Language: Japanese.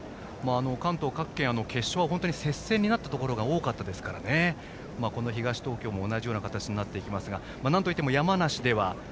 関東各県、決勝は接戦になったところが多かったですからこの東東京も同じような形になってきますが。